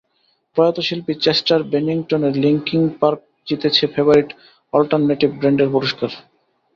প্রয়াত শিল্পী চেস্টার বেনিংটনের লিংকিন পার্ক জিতেছে ফেভারিট অল্টারনেটিভ ব্যান্ডের পুরস্কার।